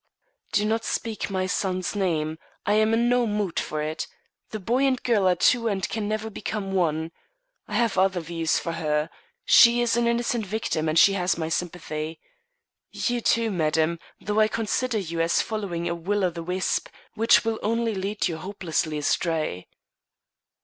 "Do not speak my son's name. I am in no mood for it. The boy and girl are two and can never become one. I have other views for her she is an innocent victim and she has my sympathy. You, too, madam, though I consider you as following a will o' the wisp which will only lead you hopelessly astray."